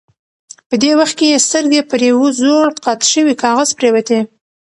په دې وخت کې یې سترګې پر یوه زوړ قات شوي کاغذ پرېوتې.